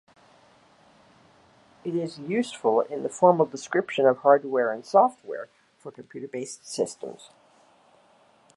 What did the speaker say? It is useful in the formal description of hardware and software for computer-based systems.